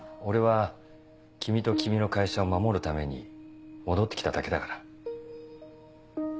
俺は君と君の会社を守るために戻って来ただけだから。